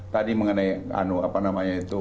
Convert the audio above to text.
tadi mengenai apa namanya itu